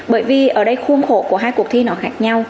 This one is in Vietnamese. bởi vì ở đây khuôn khổ của hai cuộc thi nó khác nhau